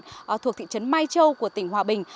thuộc thị trấn mai châu của tỉnh hòa bình